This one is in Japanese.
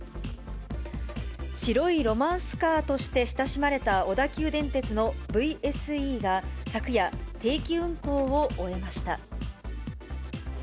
白いロマンスカーとして親しまれた小田急電鉄のＶＳＥが、昨夜、定期運行を終えました。